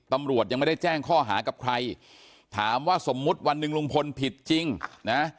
ตำรวจยังไม่ได้แจ้งข้อหากับใครถามว่าสมมุติวันหนึ่งลุงพลผิดจริงนะ